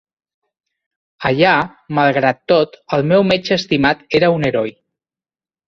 Allà, malgrat tot, el meu metge estimat era un heroi.